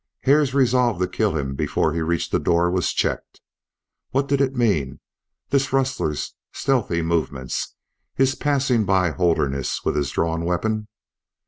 Hare's resolve to kill him before he reached the door was checked. What did it mean, this rustler's stealthy movements, his passing by Holderness with his drawn weapon!